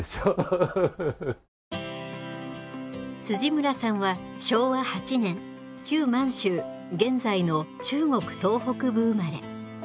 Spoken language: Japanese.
村さんは昭和８年旧満州現在の中国東北部生まれ。